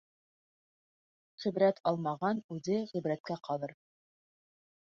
Ғибрәт алмаған үҙе ғибрәткә ҡалыр.